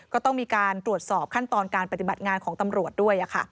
ก็ต้องมีการตรวจสอบขั้นตอนการปฏิบัติงานของตำรวจด้วย